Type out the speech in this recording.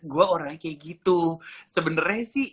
gue orangnya kayak gitu sebenernya sih